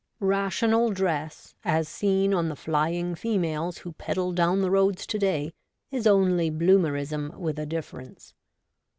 Rational Dress, as seen on the flying females who pedal down the roads to day, is only Bloomerism with a difference.